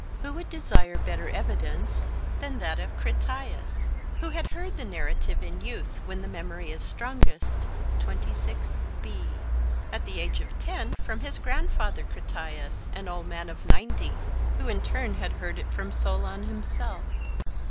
Who would desire better evidence than that of Critias, who had heard the narrative in youth when the memory is strongest at the age of ten from his grandfather Critias, an old man of ninety, who in turn had heard it from Solon himself?